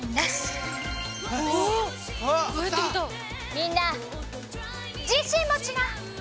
みんな自信持ちな！